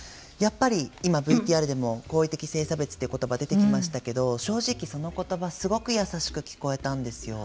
今ＶＴＲでも好意的性差別ということばが出てきましたけど正直、そのことばすごく優しく聞こえたんですよ。